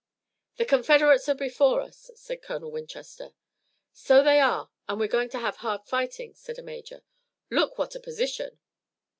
"The Confederates are before us," said Colonel Winchester. "So they are, and we're going to have hard fighting," said a major. "Look what a position!"